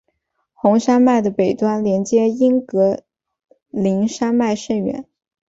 红山脉的北端连接英格林山脉甚远。